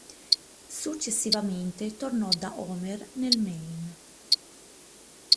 Successivamente tornò da Homer nel Maine.